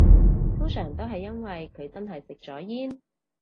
通常都係因為佢真係食咗煙